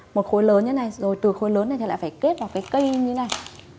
một khối lớn như thế này rồi từ khối lớn này thì lại phải kết vào cái cây như này